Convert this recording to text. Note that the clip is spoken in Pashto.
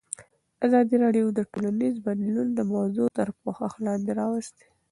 ازادي راډیو د ټولنیز بدلون موضوع تر پوښښ لاندې راوستې.